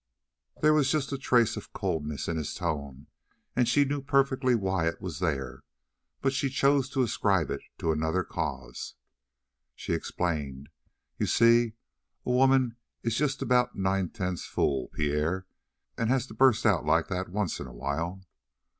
There was just a trace of coldness in his tone, and she knew perfectly why it was there, but she chose to ascribe it to another cause. She explained: "You see, a woman is just about nine tenths fool, Pierre, and has to bust out like that once in a while."